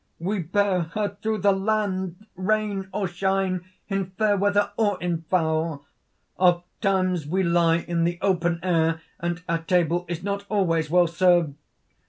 "We bear her through the land, rain or shine, in fair weather, or in foul. "Oft times we lie in the open air, and our table is not always well served.